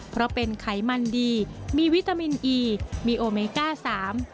เพราะเป็นไขมันดีมีวิตามินอีมีโอเมก้าสาม